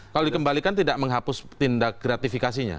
kalau dikembalikan tidak menghapus tindak gratifikasinya